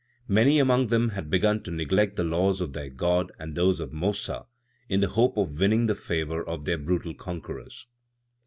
Many among them had begun to neglect the laws of their God and those of Mossa, in the hope of winning the favor of their brutal conquerors.